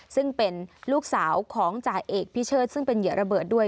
ซึ่งเป็นลูกสาวของจ่าเอกพิเชิดซึ่งเป็นเหยื่อระเบิดด้วย